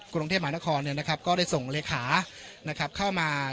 กรุงเทพมหานครก็ได้ส่งเลขาเข้ามา